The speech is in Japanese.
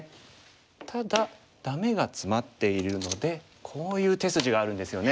ただダメがツマっているのでこういう手筋があるんですよね。